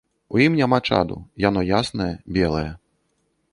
У ім няма чаду, яно яснае, белае.